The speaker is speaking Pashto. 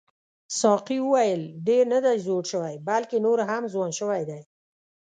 ساقي وویل ډېر نه دی زوړ شوی بلکې نور هم ځوان شوی دی.